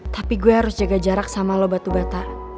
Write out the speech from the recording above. tapi gue harus jaga jarak sama lo batu bata